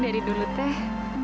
dari dulu teh